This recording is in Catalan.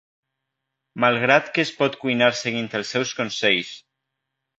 malgrat que es pot cuinar seguint els seus consells